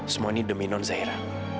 semua ini demi non zaira